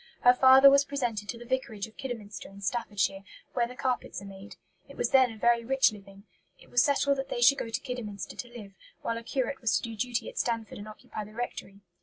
Her father was presented to the vicarage of Kidderminster in Staffordshire, where the carpets are made. It was then a very rich living. It was settled that they should go to Kidderminster to live, while a curate was to do duty at Stanford and occupy the rectory.